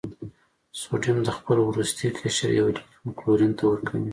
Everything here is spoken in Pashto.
سوډیم د خپل وروستي قشر یو الکترون کلورین ته ورکوي.